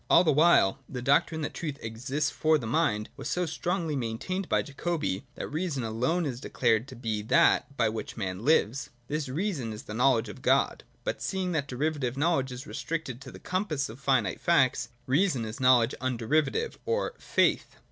63.] All the while the doctrine that truth exists for the mind was so strongly maintained by Jacobi, that Reason alone is declared to be that by which man lives. This Reason is the knowledge of God. But, seeing that derivative knowledge is restricted to the compass of finite facts. Reason is knowledge underivative, or Faith.